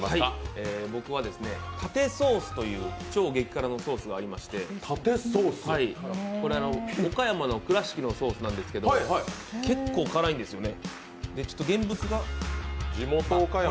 タテソースという超・激辛のソースがありまして、岡山の倉敷のソースなんですけど、結構辛いんですよね。